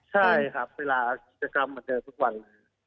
ใช่ครับเวลากิจกรรมมันเจอทุกวันเลย